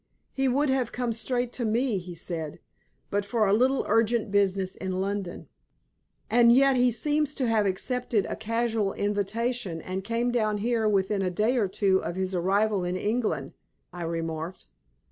He would have come straight to me, he said, but for a little urgent business in London." "And yet he seems to have accepted a casual invitation, and came down here within a day or two of his arrival in England," I remarked.